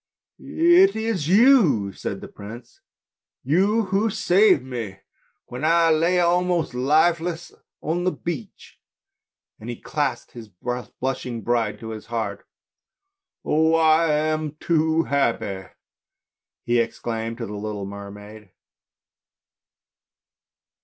" It is you," said the prince, " you who saved me when I lay almost lifeless on the beach? " and he clasped his blushing bride to his heart. "Oh! I am too happy!" he exclaimed to the little mermaid.